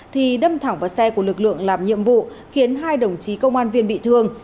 thì đâm thẳng vào xe của lực lượng làm nhiệm vụ khiến hai đồng chí công an viên bị thương